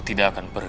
siapa saja oleh